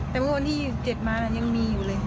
แต่เมื่อวันที่๗มายังมีอยู่เลย